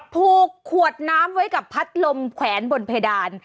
ผูกขวดน้ำไว้กับพัดลมแขวนบนเพดาน